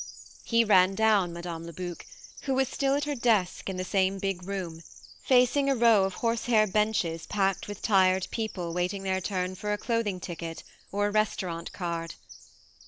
He ran down Mme. Lebuc, who was still at her desk in the same big room, facing a row of horse hair benches packed with tired people waiting their turn for a clothing ticket or a restaurant card.